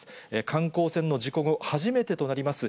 観光船の事故後、初めてとなります